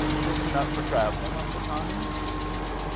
"Fixin' up for travelin', Uncle Tommy?"